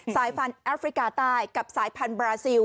สายพันธุ์แอฟริกาใต้กับสายพันธบราซิล